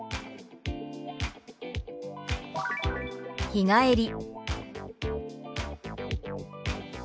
「日帰り」。